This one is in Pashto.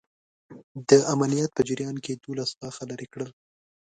د عملیات په جریان کې یې دوولس غاښه لرې کړل.